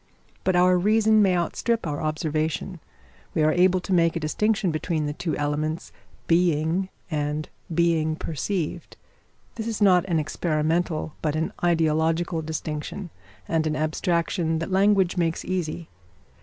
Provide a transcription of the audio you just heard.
But our reason may outstrip our observation. We are able to make a distinction between the two elements being and being perceived. This is not an experimental but an ideological distinction, and an abstraction that language makes easy.